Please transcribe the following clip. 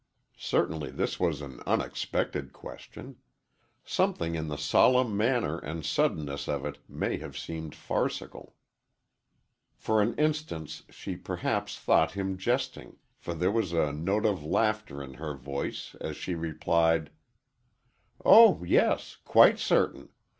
Certainly this was an unexpected question. Something in the solemn manner and suddenness of it may have seemed farcical. For an instant she perhaps thought him jesting, for there was a note of laughter in her voice as she replied: "Oh, yes; quite certain.